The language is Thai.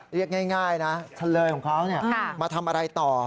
เรียกง่ายนะทะเลของเขามาทำอะไรต่อ